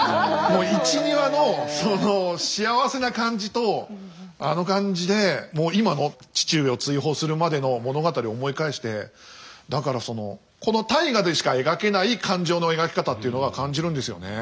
もう１２話の幸せな感じとあの感じで今の父上を追放するまでの物語を思い返してだからそのこの「大河」でしか描けない感情の描き方っていうのは感じるんですよね。